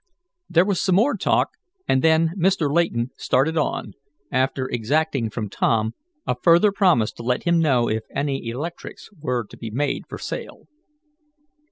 There was some more talk, and then Mr. Layton started on, after exacting from Tom a further promise to let him know if any electrics were to be made for sale.